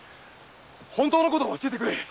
本当のことを教えてくれ！